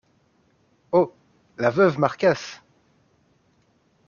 Oh ! la veuve Marcasse !…